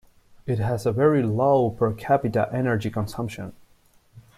It has a very low per capita energy consumption.